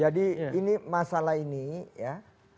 jadi ini masalah ini ya